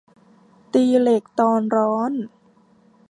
ตีเหล็กตอนร้อน